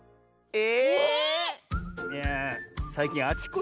え？